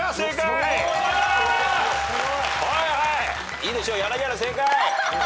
いいでしょう柳原正解。